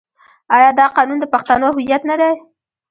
آیا دا قانون د پښتنو هویت نه دی؟